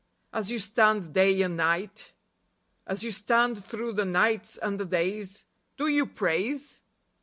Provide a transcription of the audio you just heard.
As you stand day and night, As you stand through the nights and the days, Do you praise